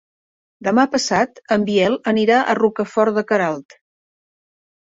Demà passat en Biel anirà a Rocafort de Queralt.